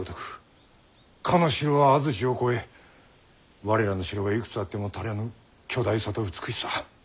かの城は安土を超え我らの城がいくつあっても足らぬ巨大さと美しさ。